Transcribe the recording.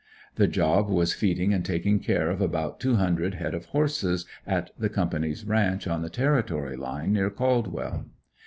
The job was feeding and taking care of about two hundred head of horses, at the company's ranch on the Territory line, near Caldwell.